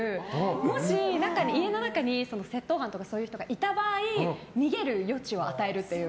もし、家の中に窃盗犯とかそういう人がいた場合逃げる余地を与えるという。